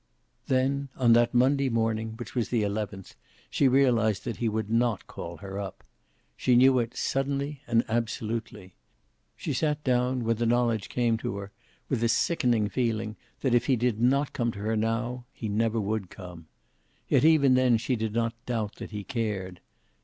Then, on that Monday morning, which was the eleventh, she realized that he would not call her up. She knew it suddenly and absolutely. She sat down, when the knowledge came to her, with a sickening feeling that if he did not come to her now he never would come. Yet even then she did not doubt that he cared.